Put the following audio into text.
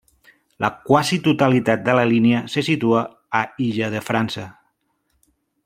La quasi totalitat de la línia se situa a Illa de França.